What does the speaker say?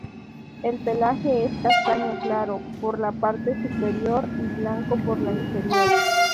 El pelaje es castaño claro por la parte superior y blanco por la inferior.